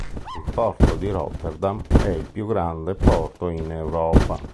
Il porto di Rotterdam è il più grande porto in Europa.